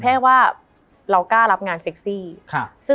มันทำให้ชีวิตผู้มันไปไม่รอด